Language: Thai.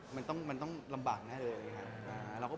ผมได้ยินว่าเริ่มเดือนหน้ายัง